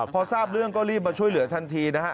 พอทราบเรื่องก็รีบมาช่วยเหลือทันทีนะฮะ